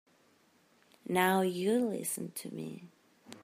Now you listen to me.